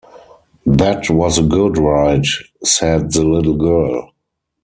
"That was a good ride," said the little girl.